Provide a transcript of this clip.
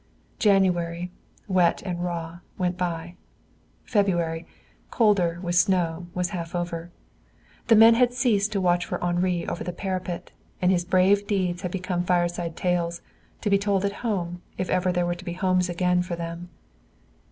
January, wet and raw, went by; February, colder, with snow, was half over. The men had ceased to watch for Henri over the parapet, and his brave deeds had become fireside tales, to be told at home, if ever there were to be homes again for them.